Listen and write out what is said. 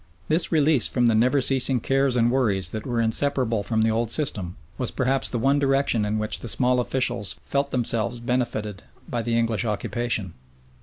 This release from the never ceasing cares and worries that were inseparable from the old system was perhaps the one direction in which the small officials felt themselves benefited by the English occupation.